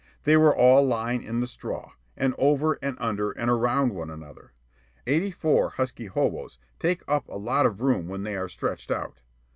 They were all lying in the straw, and over, and under, and around one another. Eighty four husky hoboes take up a lot of room when they are stretched out.